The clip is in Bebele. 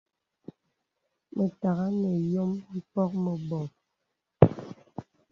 Mə̀tàghā nə yɔ̄m mpɔ̄k meboŋ.